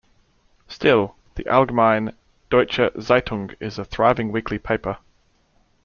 Still, the "Allgemeine Deutsche Zeitung" is a thriving weekly paper.